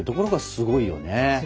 すごいよね。